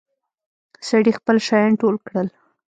سړي خپل شيان ټول کړل.